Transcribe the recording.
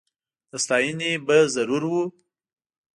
د ستایني به ضرور و